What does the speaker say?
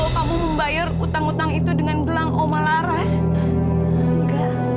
pak farid bawa dia sekarang